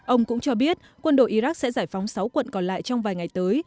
ông cũng cho biết quân đội iraq sẽ giải phóng sáu quận còn lại trong vài ngày tới